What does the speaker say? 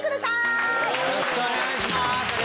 よろしくお願いします！